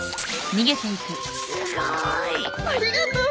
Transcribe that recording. ありがとう。